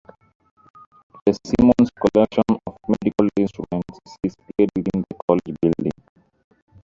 The Symons Collection of medical instruments is displayed within the College building.